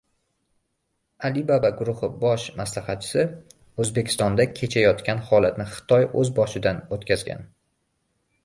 «Alibaba» guruhi bosh maslahatchisi: «O‘zbekistonda kechayotgan holatni Xitoy o‘z boshidan o‘tkazgan»